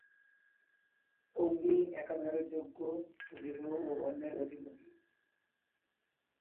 অগ্নি একাধারে যজ্ঞ, গৃহ ও অন্নের অধিপতি।